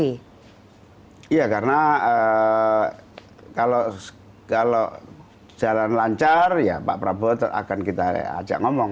iya karena kalau jalan lancar ya pak prabowo akan kita ajak ngomong